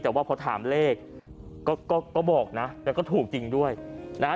แต่ว่าพอถามเลขก็ก็บอกนะแล้วก็ถูกจริงด้วยนะฮะ